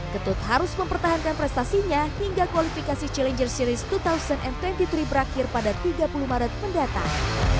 ketut harus mempertahankan prestasinya hingga kualifikasi challenger series dua ribu dua puluh tiga berakhir pada tiga puluh maret mendatang